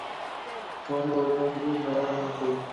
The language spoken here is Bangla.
সমস্যায় পড়লে শুধু মরার ভান করি।